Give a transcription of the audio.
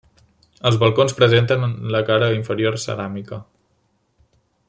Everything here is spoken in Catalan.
Els balcons presenten en la cara inferior ceràmica.